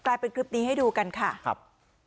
เป็นคลิปนี้ให้ดูกันค่ะครับ